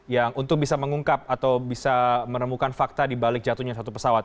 yang untuk bisa mengungkap atau bisa menemukan fakta dibalik jatuhnya satu pesawat